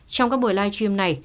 trong các buổi live stream này